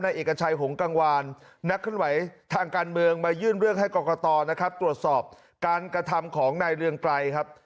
เอกชัยหงกังวานนักเคลื่อนไหวทางการเมืองมายื่นเรื่องให้กรกตนะครับตรวจสอบการกระทำของนายเรืองไกรครับ